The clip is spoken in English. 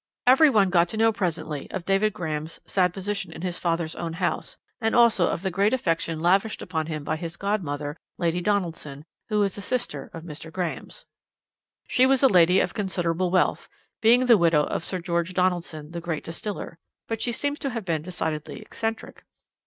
"Every one got to know presently of David Graham's sad position in his father's own house, and also of the great affection lavished upon him by his godmother, Lady Donaldson, who was a sister of Mr. Graham's. "She was a lady of considerable wealth, being the widow of Sir George Donaldson, the great distiller; but she seems to have been decidedly eccentric.